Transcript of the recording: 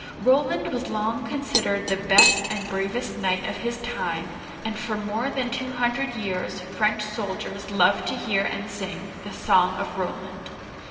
Roland was long considered the best and bravest knight of his time, and for more than two hundred years French soldiers loved to hear and sing " The Song of Roland."